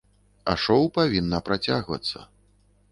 А шоу павінна працягвацца.